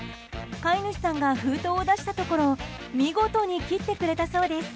飼い主さんが封筒を出したところ見事に切ってくれたそうです。